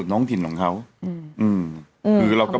ชมกก็คือปอบ